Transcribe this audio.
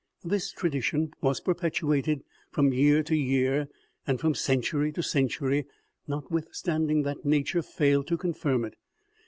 This tradition was perpetuated from year to year and from century to century, notwithstanding that nature failed to confirm it.